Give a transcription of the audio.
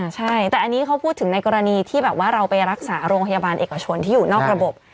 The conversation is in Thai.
ใช่แต่อันนี้เขาพูดถึงในกรณีที่แบบว่าเราไปรักษาโรงพยาบาลเอกชนที่อยู่นอกระบบ